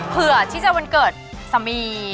เพื่อที่จะวันเกิดสามี